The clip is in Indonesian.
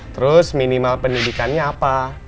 terus minimal pendidikannya apa